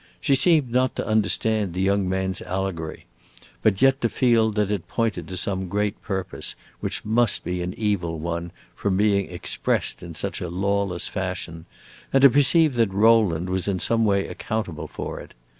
She seemed not to understand the young man's allegory, but yet to feel that it pointed to some great purpose, which must be an evil one, from being expressed in such a lawless fashion, and to perceive that Rowland was in some way accountable for it.